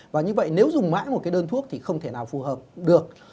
và như vậy nếu dùng mãi một cái đơn thuốc thì không thể nào phù hợp được